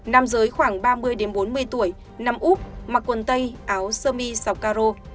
nam giới khoảng ba mươi bốn mươi tuổi nằm úp mặc quần tây áo sơ mi sọc caro